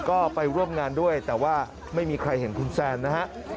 ก็ไปร่วมงานด้วยแต่ว่าไม่มีใครเห็นคุณแซนนะฮะ